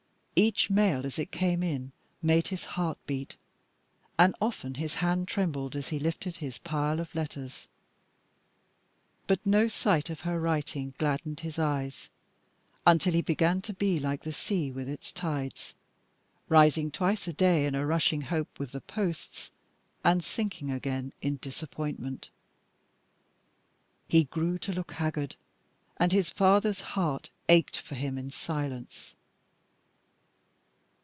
Each mail as it came in made his heart beat, and often his hand trembled as he lifted his pile of letters. But no sight of her writing gladdened his eyes, until he began to be like the sea and its tides, rising twice a day in a rushing hope with the posts, and sinking again in disappointment. He grew to look haggard, and his father's heart ached for him in silence.